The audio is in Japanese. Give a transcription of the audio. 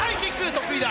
得意だ。